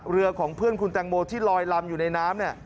เรือของเพื่อนคุณแตงโมที่ลอยลำอยู่ในน้ำเนี่ย